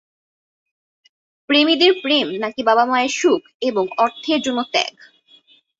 প্রেমীদের প্রেম নাকি বাবা-মায়ের সুখ এবং অর্থের জন্য ত্যাগ।